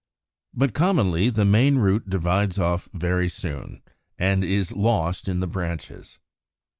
But commonly the main root divides off very soon, and is lost in the branches.